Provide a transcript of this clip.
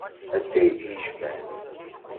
Anta i d-yecfan?